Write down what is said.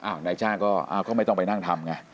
นายจ้างก็ไม่ต้องไปนั่งทำไง